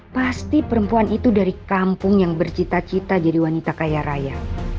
pasti perempuan itu dari kampung yang bercita cita jadi wanita kaya raya